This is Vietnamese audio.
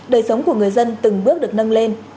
đời sống của người dân từng bước được nâng lên